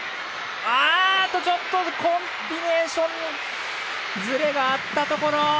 あっとちょっとコンビネーションズレがあったところ。